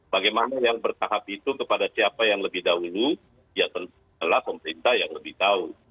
bagaimana yang bertahap itu kepada siapa yang lebih dahulu ya tentu adalah pemerintah yang lebih tahu